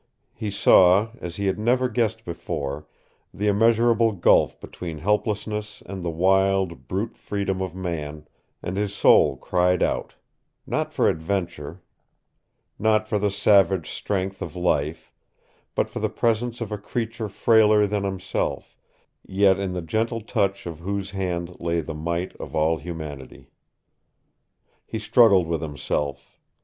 He saw, as he had never guessed before, the immeasurable gulf between helplessness and the wild, brute freedom of man, and his soul cried out not for adventure, not for the savage strength of life but for the presence of a creature frailer than himself, yet in the gentle touch of whose hand lay the might of all humanity. He struggled with himself.